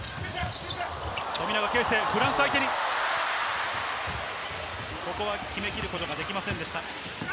富永啓生、フランス相手にここは決めきることができませんでした。